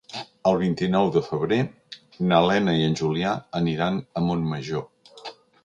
El vint-i-nou de febrer na Lena i en Julià aniran a Montmajor.